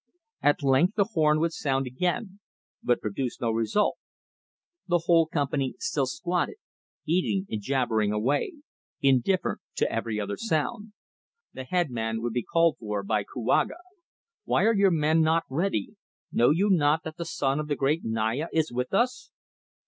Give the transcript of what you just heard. At length the horn would sound again, but produce no result. The whole company still squatted, eating and jabbering away, indifferent to every other sound. The head man would be called for by Kouaga. "Why are your men not ready? Know you not that the son of the great Naya is with us?"